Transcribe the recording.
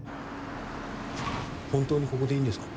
本当にここでいいんですか？